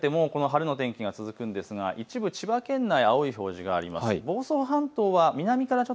夜にかけてもこの晴れの天気続くんですが一部、千葉県内、青い表示があります。